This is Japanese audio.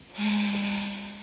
へえ！